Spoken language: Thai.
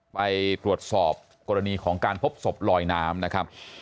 ไปตรวจสอบกรณีของการพบศพลอยน้ำนะครับ